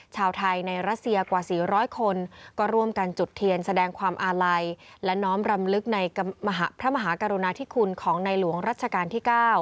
ชาวไทยในรัสเซียกว่า๔๐๐คนก็ร่วมกันจุดเทียนแสดงความอาลัยและน้อมรำลึกในพระมหากรุณาธิคุณของในหลวงรัชกาลที่๙